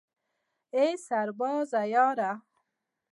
ای سربازه یاره